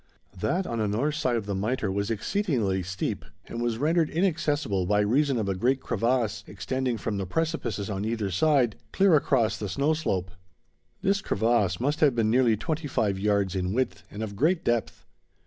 That on the north side of the Mitre was exceedingly steep, and was rendered inaccessible by reason of a great crevasse, extending from the precipices on either side, clear across the snow slope. This crevasse must have been nearly twenty five yards in width and of great depth.